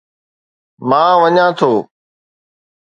مان وڃان ٿو